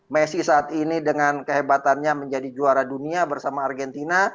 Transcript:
messi saat ini dengan kehebatannya menjadi juara dunia bersama argentina